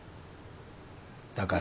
だから。